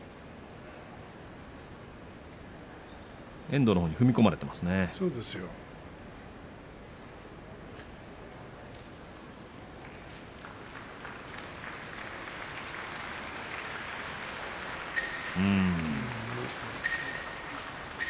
遠藤のほうに、正代踏み込まれてしまっていますよね。